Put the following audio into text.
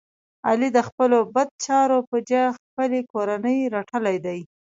علی د خپلو بد چارو په جه خپلې کورنۍ رټلی دی.